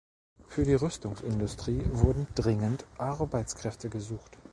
Für die Rüstungsindustrie wurden dringend Arbeitskräfte gesucht.